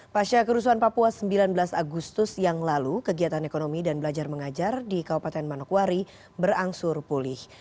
pasca kerusuhan papua sembilan belas agustus yang lalu kegiatan ekonomi dan belajar mengajar di kabupaten manokwari berangsur pulih